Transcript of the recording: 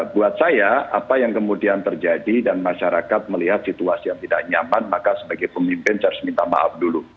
buat saya apa yang kemudian terjadi dan masyarakat melihat situasi yang tidak nyaman maka sebagai pemimpin saya harus minta maaf dulu